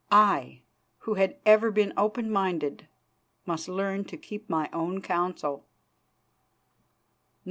I, who had ever been open minded, must learn to keep my own counsel.